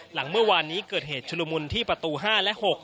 หลังเมื่อวานนี้เกิดเหตุชุลมุนที่ประตู๕และ๖